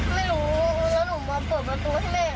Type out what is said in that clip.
ไม่รู้แล้วหนูมาเปิดประตูให้แม่